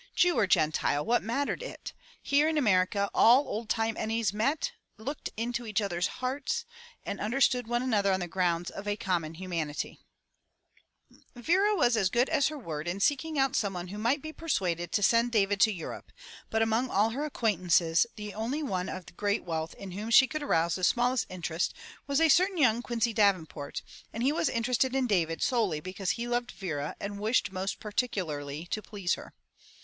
Jew or Gentile, what mattered it? Here in America all old time enemies met, looked into each other's hearts and understood one another on the grounds of a common humanity. 193 MY BOOK HOUSE Vera was as good as her word in seeking out someone who might be persuaded to send David to Europe, but among all her acquaintances the only one of great wealth in whom she could arouse the smallest interest was a certain young Quincy Daven port, and he was interested in David solely because he loved Vera and wished most particularly to please her.